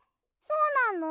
そうなの？